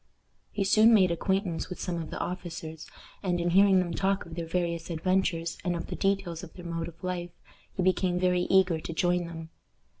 He soon made acquaintance with some of the officers, and, in hearing them talk of their various adventures, and of the details of their mode of life, he became very eager to join them.